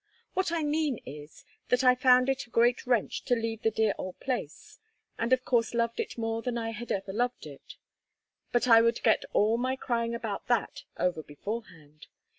What I mean is, that I found it a great wrench to leave the dear old place, and of course loved it more than I had ever loved it. But I would get all my crying about that over beforehand.